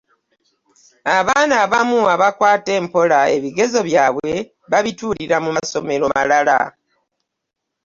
Abaana abamu abakwata empola ebigezo byabwe babituulira mu masomero malala.